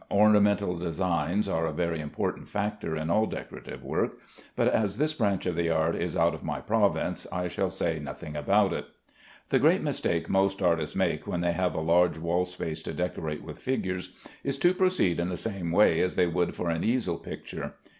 Ornamental designs are a very important factor in all decorative work, but as this branch of the art is out of my province, I shall say nothing about it. The great mistake most artists make when they have a large wall space to decorate with figures, is to proceed in the same way as they would for an easel picture.